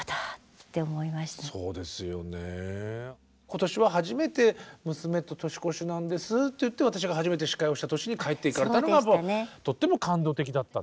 今年は初めて娘と年越しなんですって言って私が初めて司会をした年に帰って行かれたのがとっても感動的だった。